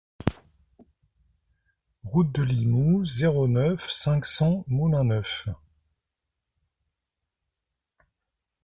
Route de Limoux, zéro neuf, cinq cents Moulin-Neuf